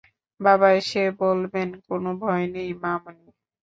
বাবা এসে বলবেন-কোনো ভয় নেই মা-মণি।